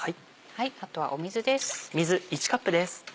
あとは水です。